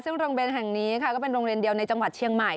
ซึ่งโรงเรียนแห่งนี้ค่ะก็เป็นโรงเรียนเดียวในจังหวัดเชียงใหม่